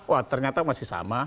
wah ternyata masih sama